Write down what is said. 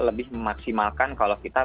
lebih memaksimalkan kalau kita